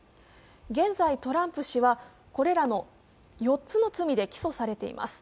現在、トランプ氏は、これらの４つの罪で起訴されています。